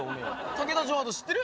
竹田城跡知ってる？